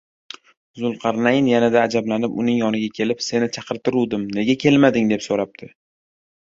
Zulqarnayn yanada ajablanib, uning yoniga kelib: «Seni chaqirtiruvdim, nega kelmading?» deb so‘rabdi.